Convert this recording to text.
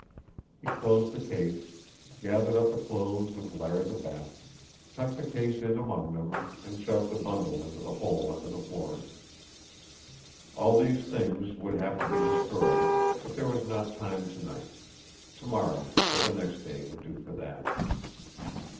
He closed the case, gathered up the clothes of Larry the Bat, tucked the case in among them, and shoved the bundle into the hole under the flooring. All these things would have to be destroyed, but there was not time to night; to morrow, or the next day, would do for that.